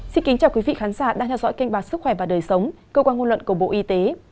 xin kính chào quý vị khán giả đang theo dõi kênh bạc sức khỏe và đời sống cơ quan ngôn luận của bộ y tế